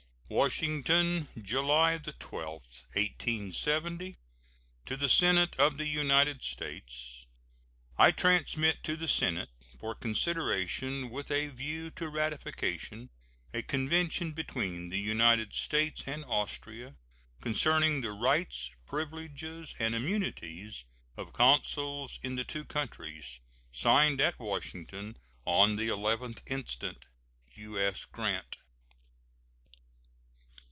] WASHINGTON, July 12, 1870. To the Senate of the United States: I transmit to the Senate, for consideration with a view to ratification, a convention between the United States and Austria, concerning the rights, privileges, and immunities of consuls in the two countries, signed at Washington on the 11th instant. U.S. GRANT.